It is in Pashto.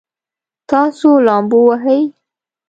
تاسو لامبو وهئ؟